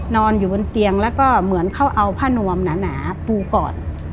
นอนอยู่บนเตียงแล้วก็เหมือนเขาเอาผ้านวมหนาปูก่อน